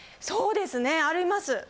そうですねあります。